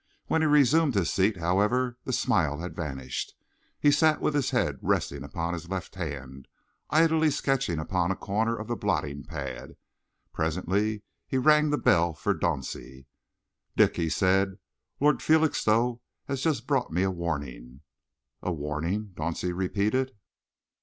When he resumed his seat, however, the smile had vanished. He sat with his head resting upon his left hand, idly sketching upon a corner of the blotting pad. Presently he rang the bell for Dauncey. "Dick," he said, "Lord Felixstowe has just brought me a warning." "A warning," Dauncey repeated.